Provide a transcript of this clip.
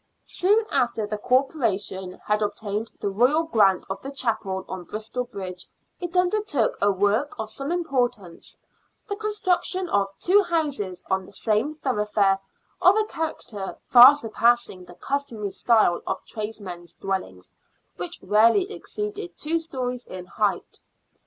Soon after the Corporation had obtained the Royal grant of the chapel on Bristol Bridge, it undertook a work of some importance — the construction of two houses on the same thoroughfare of a character far surpassing the customary style of tradesmen's dwellings, which rarely exceeded two stories in height.